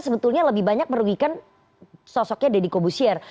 sebetulnya lebih banyak merugikan sosoknya deddy kobusier